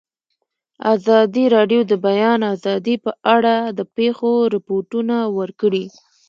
ازادي راډیو د د بیان آزادي په اړه د پېښو رپوټونه ورکړي.